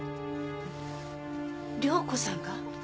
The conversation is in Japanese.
涼子さんが？